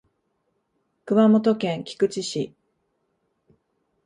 熊本県菊池市